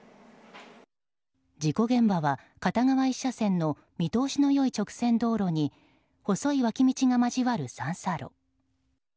事故現場は片側１車線の見通しの良い直線道路に細い脇道が交わる三差路。